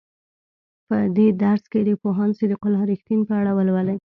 په دې درس کې د پوهاند صدیق الله رښتین په اړه ولولئ.